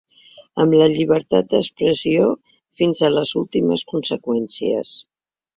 Amb la llibertat d'expressió, fins a les últimes conseqüències.